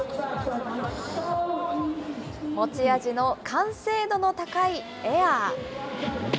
持ち味の完成度の高いエア。